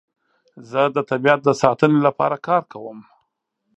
زه د طبیعت د ساتنې لپاره کار کوم.